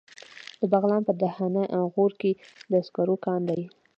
د بغلان په دهنه غوري کې د سکرو کان دی.